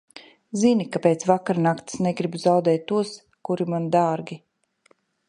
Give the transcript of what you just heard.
Zini, ka pēc vakarnakts negribu zaudēt tos, kuri man dārgi.